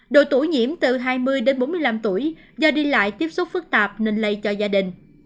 độ tuổi nhiễm từ hai mươi đến bốn mươi năm tuổi do đi lại tiếp xúc phức tạp nên lây cho gia đình